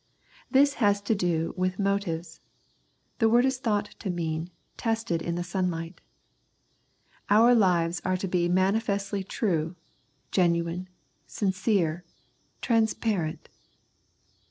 lo). This has to do with motives. The word is thought to mean " tested in the sunlight." Our lives are to be mani festly true, genuine, sincere, " transparent."